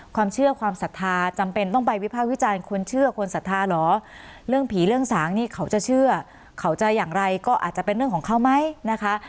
ความเชื่อความศรัทธาจำเป็นต้องไปวิภาควิจารณ์คนเชื่อคนศรัทธาเหรอเรื่องผีเรื่องสางนี่เขาจะเชื่อเขาจะอย่างไรก็อาจจะเป็นเรื่องของเขาไหมนะคะ